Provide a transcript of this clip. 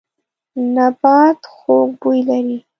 نبات خوږ بوی لري.